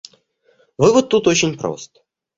Вывод тут очень прост.